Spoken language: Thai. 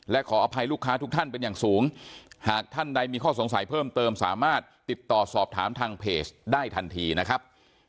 และขออภัยลูกค้าทุกท่านเป็นอย่างสูงหากท่านใดมีข้อสงสัยเพิ่มเติมสามารถติดต่อสอบถามทางเพจได้ทันทีนะครับ